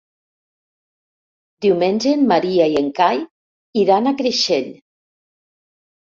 Diumenge en Maria i en Cai iran a Creixell.